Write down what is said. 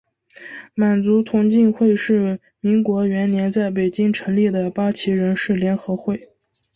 满族同进会是民国元年在北京成立的八旗人士联合会。